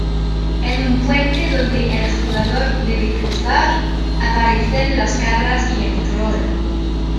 En un puente donde el jugador debe cruzar, aparecen las cabras y el Troll.